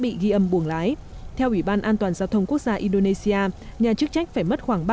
bị ghi âm buồng lái theo ủy ban an toàn giao thông quốc gia indonesia nhà chức trách phải mất khoảng